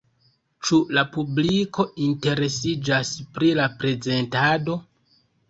Ĉu la publiko interesiĝas pri la prezentado?